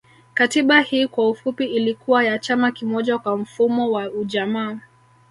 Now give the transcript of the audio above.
Katiba Hii kwa ufupi ilikuwa ya chama kimoja kwa mfumo wa ujamaa